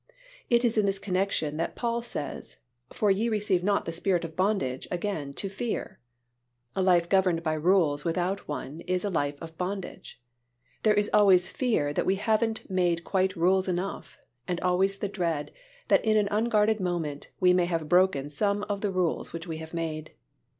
It is in this connection that Paul says, "For ye received not the spirit of bondage again to fear." A life governed by rules without one is a life of bondage. There is always fear that we haven't made quite rules enough, and always the dread that in an unguarded moment we may have broken some of the rules which we have made.